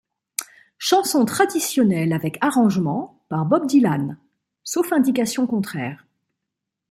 Chansons traditionnelles avec arrangements par Bob Dylan, sauf indication contraire.